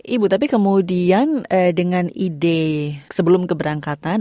ibu tapi kemudian dengan ide sebelum keberangkatan